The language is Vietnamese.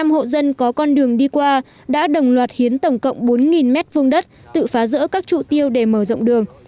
năm hộ dân có con đường đi qua đã đồng loạt hiến tổng cộng bốn m hai tự phá rỡ các trụ tiêu để mở rộng đường